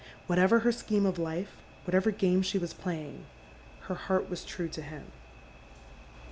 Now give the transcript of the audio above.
Whatever her scheme of life — wliatever game she waa playin^i; — lier heart was true to him.